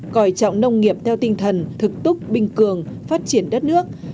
còi trọng nông nghiệp theo tinh thần thực túc bình cường phát triển đất nước